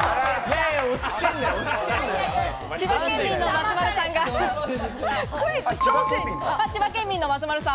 千葉県民の松丸さん。